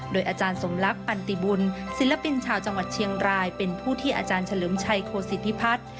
อาจารย์สมรักปันติบุญศิลปินชาวจังหวัดเชียงรายเป็นผู้ที่อาจารย์เฉลิมชัยโคศิษฐิพัฒน์